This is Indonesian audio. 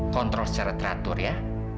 kontrol secara teratur ya